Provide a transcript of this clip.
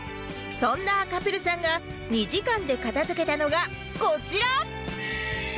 そんな赤プルさんが２時間で片付けたのがこちら